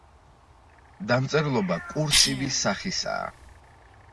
დამწერლობა კურსივი სახისაა.